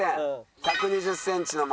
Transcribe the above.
１２０センチの的。